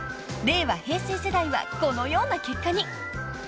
［令和平成世代はこのような結果に］